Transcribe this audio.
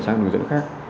sang đường dẫn khác